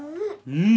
うん。